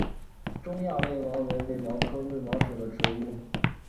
中亚卫矛为卫矛科卫矛属的植物。